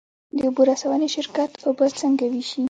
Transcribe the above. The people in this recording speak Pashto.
د اوبو رسونې شرکت اوبه څنګه ویشي؟